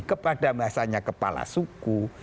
kepada masanya kepala suku